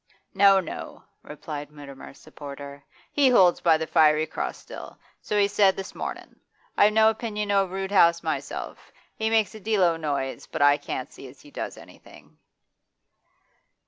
'No, no,' replied Mutimer's supporter. 'He holds by the "Fiery Cross" still, so he said this mornin'. I've no opinion o' Roodhouse myself. He makes a deal o' noise, but I can't 'see as he does anything.